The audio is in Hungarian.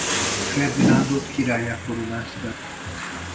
Ferdinándot királlyá koronázták.